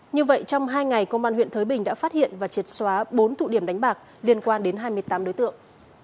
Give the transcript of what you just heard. như vậy trong hai ngày công an huyện thới bình đã phát hiện và triệt xóa bốn tụ điểm đánh bạc liên quan đến hai mươi tám đối tượng